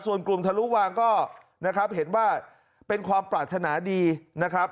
ส่วนกลุ่มทะลุวางก็นะครับเห็นว่าเป็นความปรารถนาดีนะครับ